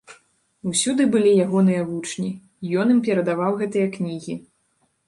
Усюды былі ягоныя вучні, ён ім перадаваў гэтыя кнігі.